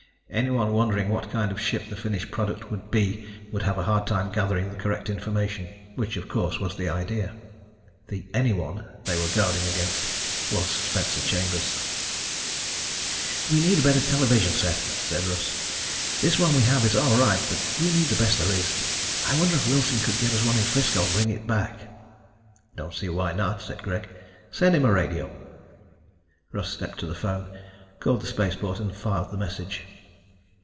Anyone wondering what kind of ship the finished product would be would have a hard time gathering the correct information, which, of course, was the idea. The "anyone" they were guarding against was Spencer Chambers. "We need a better television set," said Russ. "This one we have is all right, but we need the best there is. I wonder if Wilson could get us one in Frisco and bring it back." "I don't see why not," said Greg. "Send him a radio." Russ stepped to the phone, called the spaceport and filed the message.